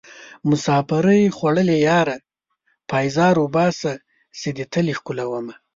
مسافرۍ خوړليه ياره پيزار اوباسه چې دې تلې ښکلومه